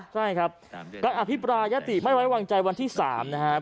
ใช่ครับก็อภิปรายยติไม่ไว้วางใจวันที่๓นะครับ